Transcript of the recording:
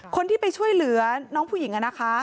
คนที่ไปช่วยเหลือน้องผู้หญิงนะคะ